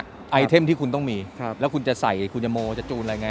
ไอเทมที่คุณต้องมีแล้วคุณจะใส่คุณยโมจะจูนอะไรไง